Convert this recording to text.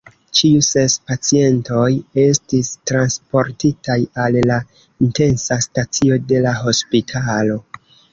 Ĉiu ses pacientoj estis transportitaj al la intensa stacio de la hospitalo.